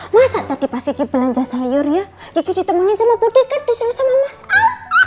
masa tadi pas kiki belanja sayur ya kiki ditemani sama budi kan disini sama mas al